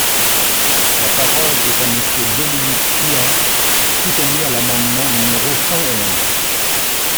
La parole est à Monsieur Dominique Tian, pour soutenir l’amendement numéro cent onze.